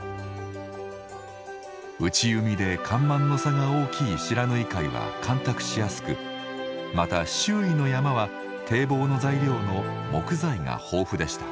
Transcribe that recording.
内海で干満の差が大きい不知火海は干拓しやすくまた周囲の山は堤防の材料の木材が豊富でした。